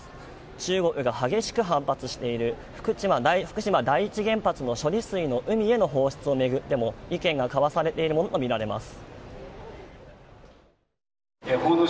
中国が激しく反発している福島第一原発の処理水の海への放出を巡っても意見が交わされているものとみられます。